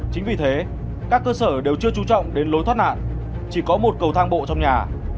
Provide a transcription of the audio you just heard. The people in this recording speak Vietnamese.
chính vì thế các cơ sở đều chưa trú trọng đến lối thoát nạn chỉ có một cầu thang bộ trong nhà